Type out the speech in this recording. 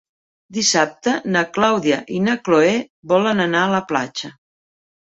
Dissabte na Clàudia i na Cloè volen anar a la platja.